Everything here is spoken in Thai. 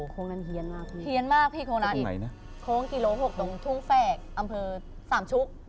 โค้งนั้นเฮียนมากพี่โค้งไหนนะโค้งกิโลหกตรงทุ่งแฟกอำเภอสามชุก